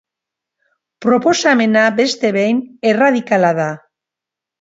Proposamena, beste behin, erradikala da.